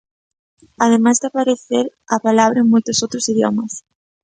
Ademais de aparecer a palabra en moitos outros idiomas.